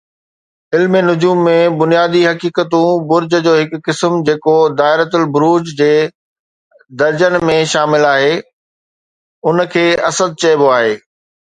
علم نجوم ۾ بنيادي حقيقتون، برج جو هڪ قسم جيڪو دائرة البروج جي درجن ۾ شامل آهي، ان کي اسد چئبو آهي.